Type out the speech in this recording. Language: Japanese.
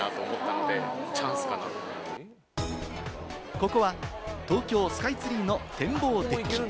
ここは東京スカイツリーの天望デッキ。